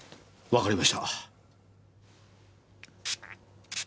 わかりました。